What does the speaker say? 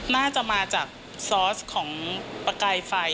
น่าจะมาจากซอสของประกายไฟ